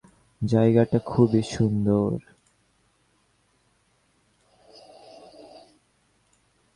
জায়গাটা খুবই সুন্দর।